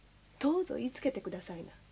どうぞ言いつけてくださいな。